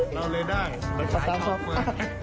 เราเลยได้ประชาช็อคมาก